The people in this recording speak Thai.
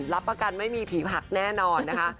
รับประกันไม่มีผีผักแน่นอนนะคะ